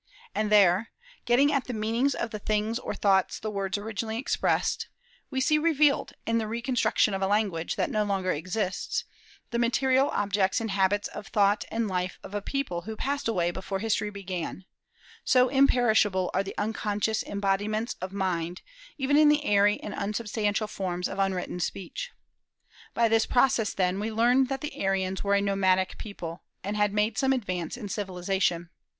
And there, getting at the meanings of the things or thoughts the words originally expressed, we see revealed, in the reconstruction of a language that no longer exists, the material objects and habits of thought and life of a people who passed away before history began, so imperishable are the unconscious embodiments of mind, even in the airy and unsubstantial forms of unwritten speech! By this process, then, we learn that the Aryans were a nomadic people, and had made some advance in civilization.